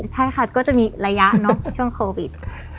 ใช่ค่ะก็จะมีระยะเนอะช่วงโควิด